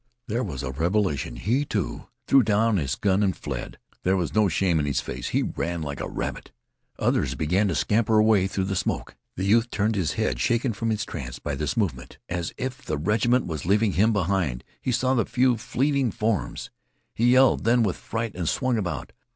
There was a revelation. He, too, threw down his gun and fled. There was no shame in his face. He ran like a rabbit. Others began to scamper away through the smoke. The youth turned his head, shaken from his trance by this movement as if the regiment was leaving him behind. He saw the few fleeting forms. He yelled then with fright and swung about.